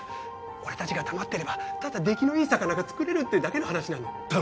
俺たちが黙ってればただできのいい魚がつくれるっていうだけの話なんだ